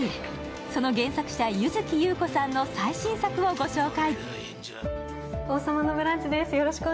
その原作者、柚月裕子さんの最新作をご紹介。